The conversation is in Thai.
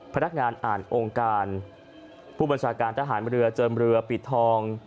พนักงานอ่านองค์การผู้บัญชาการทหารเรือเจิมเรือปิดทอง